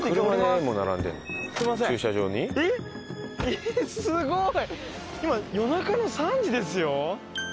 えっすごい！